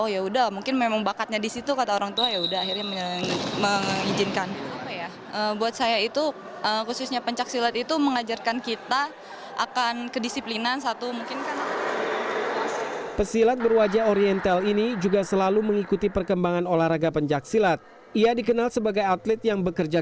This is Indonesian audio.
yang menjadi utama buat saya adalah kesannya tentang komitmen dia saja